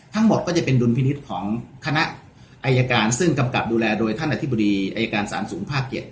ทั้งหมดก็จะเป็นดุลพินิษฐ์ของคณะอายการซึ่งกำกับดูแลโดยท่านอธิบดีอายการ๓๐ภาค๗